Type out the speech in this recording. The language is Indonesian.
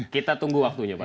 kita tunggu waktunya pak